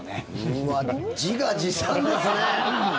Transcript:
うわ、自画自賛ですね。